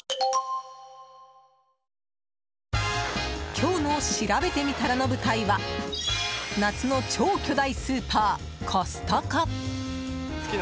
今日のしらべてみたらの舞台は夏の超巨大スーパー、コストコ。